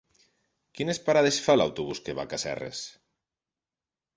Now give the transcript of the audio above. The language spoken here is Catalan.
Quines parades fa l'autobús que va a Casserres?